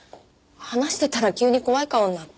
話してたら急に怖い顔になって。